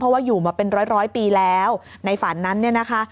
เพราะว่าอยู่มาเป็นร้อยร้อยปีแล้วในฝันนั้นเนี่ยนะคะ